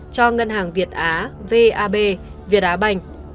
cho ngân hàng việt á vab việt á bành